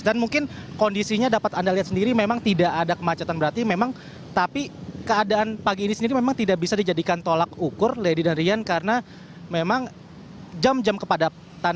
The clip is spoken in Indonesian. dan mungkin kondisinya dapat anda lihat sendiri memang tidak ada kemacetan berarti memang tapi keadaan pagi ini sendiri memang tidak bisa dijadikan tolak ukur lady dan rian karena memang jam jam kepadatan